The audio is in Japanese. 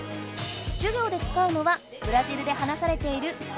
授業で使うのはブラジルで話されているポルトガル語。